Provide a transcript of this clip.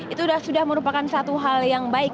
itu sudah merupakan satu hal yang baik